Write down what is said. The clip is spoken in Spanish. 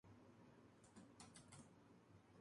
Se encuentra dentro de los límites del municipio de Güímar.